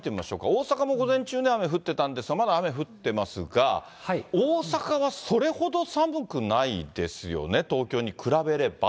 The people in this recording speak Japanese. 大阪も午前中、雨降ってたんですが、まだ雨降ってますが、大阪はそれほど寒くないですよね、東京に比べれば。